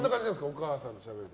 お母さんとしゃべると。